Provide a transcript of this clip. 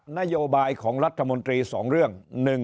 นโยบายของรัฐมนตรี๒เรื่อง